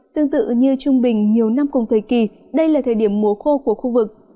tương tự như trung bình nhiều năm cùng thời kỳ đây là thời điểm mùa khô của khu vực